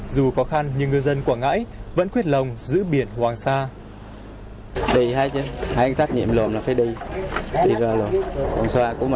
dù khó khăn nhưng ngư dân quảng ngãi vẫn quyết lòng giữ biển hoàng sa